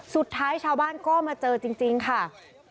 สุดท้ายชาวบ้านก็มาเจอจริงค่ะ